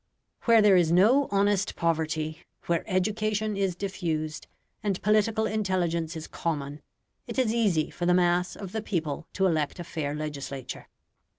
Where there is no honest poverty, where education is diffused, and political intelligence is common, it is easy for the mass of the people to elect a fair legislature.